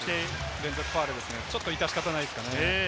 連続ファウルですね、致し方ないですね。